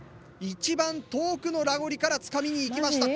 一番遠くのラゴリからつかみにいきました。